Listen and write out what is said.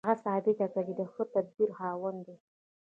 هغه ثابته کړه چې د ښه تدبیر خاوند دی